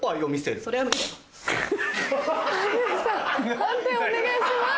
判定お願いします。